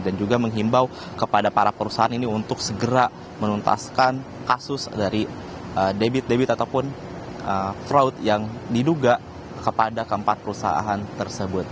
dan juga menghimbau kepada para perusahaan ini untuk segera menuntaskan kasus dari debit debit ataupun fraud yang diduga kepada keempat perusahaan tersebut